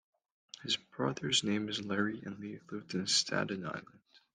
His brother's name is Larry and he lived in Staten Island.